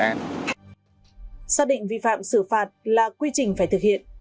xác định vi phạm xử phạt là quy trình phải thực hiện